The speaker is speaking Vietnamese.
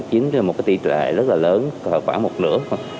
chính là một cái tỷ lệ rất là lớn khoảng một nửa